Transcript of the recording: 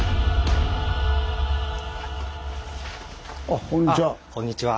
あこんにちは。